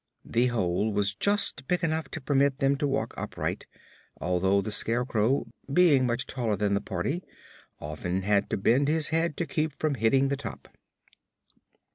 The hole was just big enough to permit them to walk upright, although the Scarecrow, being much the taller of the party, often had to bend his head to keep from hitting the top.